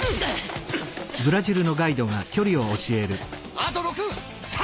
あと６３！